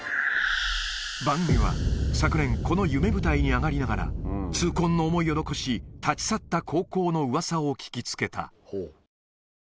番組は、昨年、この夢舞台に上がりながら、痛恨の思いを残し、立ち去った高校のうわさを聞きつけた。